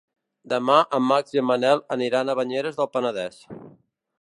Demà en Max i en Manel aniran a Banyeres del Penedès.